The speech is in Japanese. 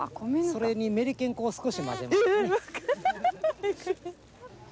それにメリケン粉を少し混ぜて。